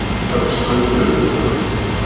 Ad teqqim i lebda.